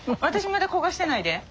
私まだ焦がしてないで。